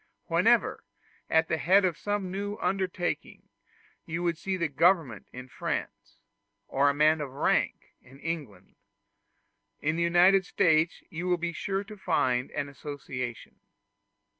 Wherever, at the head of some new undertaking, you see the government in France, or a man of rank in England, in the United States you will be sure to find an association.